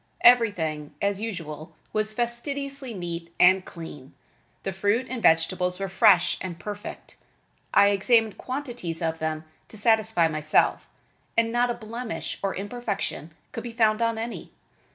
Everything, as usual, was fastidiously neat and clean. The fruit and vegetables were fresh and perfect. I examined quantities of them to satisfy myself, and not a blemish or imperfection could be found on any.